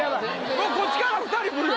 もうこっちから２人くるよ。